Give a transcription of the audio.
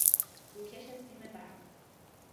روکش سیم برق